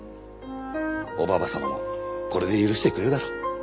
おばば様もこれで許してくれるだろう。